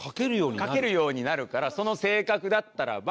描けるようになるからその性格だったらば。